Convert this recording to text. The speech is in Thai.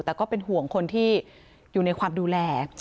แต่ก็เป็นห่วงคนที่อยู่ในความดูแล